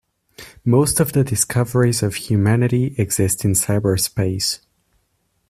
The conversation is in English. Most of the discoveries of humanity exist in cyberspace.